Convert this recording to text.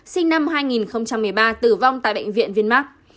sinh năm hai nghìn một mươi ba tử vong tại bệnh viện viên mắc